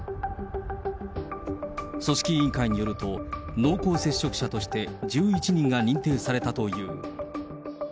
組織委員会によると、濃厚接触者として１１人が認定されたという。